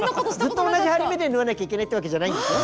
ずっと同じ針目で縫わなきゃいけないってわけじゃないんですよ。